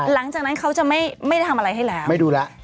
หลังจากนั้นเขาจะไม่ไม่ได้ทำอะไรให้แล้วไม่ดูแล้ว